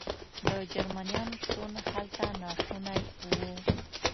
د جرمنیانو شتون هلته ناشونی و.